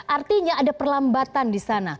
artinya ada perlambatan di sana